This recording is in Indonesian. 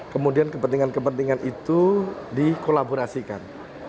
kemudian kepentingan kepentingan itu dikolaborasikan